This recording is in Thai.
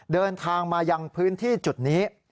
เดินทางมายังพื้นที่จุดนี้